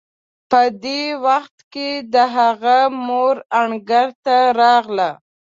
په دې وخت کې د هغه مور انګړ ته راغله.